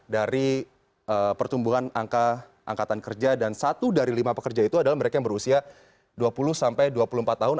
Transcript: jadi pertumbuhan angka angkatan kerja dan satu dari lima pekerja itu adalah mereka yang berusia dua puluh sampai dua puluh empat tahun